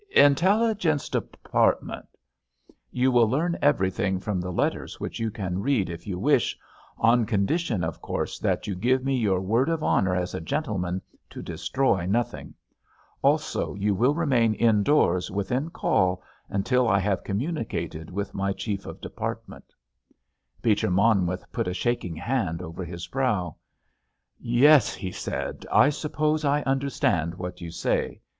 "Intelligence Department——" "You will learn everything from the letters, which you can read if you wish—on condition, of course, that you give me your word of honour as a gentleman to destroy nothing. Also you will remain indoors, within call, until I have communicated with my chief of department." Beecher Monmouth put a shaking hand over his brow. "Yes," he said, "I suppose I understand what you say.